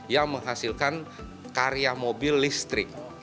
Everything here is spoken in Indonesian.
yang menghasilkan karya mobil listrik